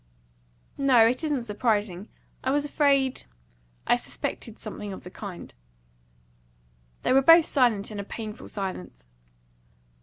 "No, it isn't surprising. I was afraid I suspected something of the kind." They were both silent in a painful silence.